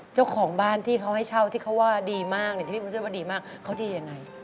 เจ้าของบ้านที่เขาให้เช่าที่เขาว่าดีมากที่พี่บุญช่วยว่าดีมากเขาดียังไง